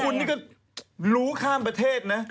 คุณนี่ก็รู้ข้ามประเทศนะ